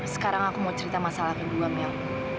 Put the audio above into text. sekarang aku mau cerita masalah kedua mel